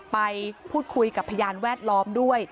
ไปพูดคุยกับพยานแวดล้อมด้วย